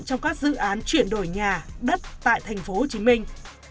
trong các dự án chuyển đổi nhà đất tại thành phố hồ chí minh